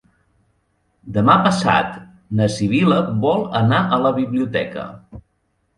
Demà passat na Sibil·la vol anar a la biblioteca.